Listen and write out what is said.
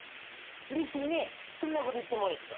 うれしいねそんなこと言ってもらえっと。